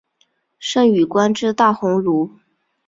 盛允官至大鸿胪。